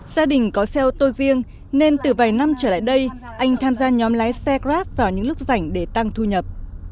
gia đình có xe ô tô riêng nên từ vài năm trở lại đây anh tham gia nhóm lái xe grab vào những lúc rảnh để tăng thu nhập